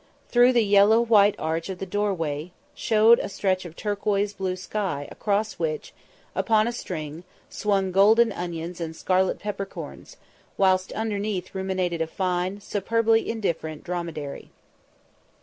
Through the yellow white arch of the doorway showed a stretch of turquoise blue sky across which, upon a string, swung golden onions and scarlet peppercorns, whilst underneath ruminated a fine, superbly indifferent dromedary.